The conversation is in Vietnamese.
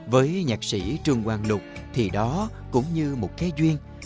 với nhạc sĩ trương hoàng lục thì đó cũng như một cái duyên